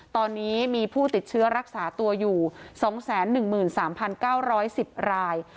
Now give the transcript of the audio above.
ตอนนี้มีผู้ติดเชื้อรักษาตัวอยู่๒๑๓๙๑๐ราย